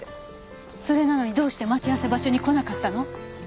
それなのにどうして待ち合わせ場所に来なかったの？